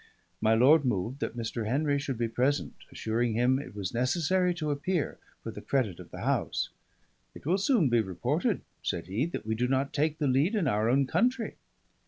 My lord moved that Mr. Henry should be present, assuring him it was necessary to appear, for the credit of the house. "It will soon be reported," said he, "that we do not take the lead in our own country."